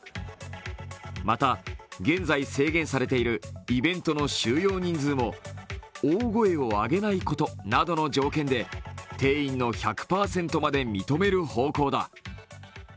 また現在制限されているイベントの収容人数も大声を上げないことなどの条件で定員の１００％まで認める方向だ。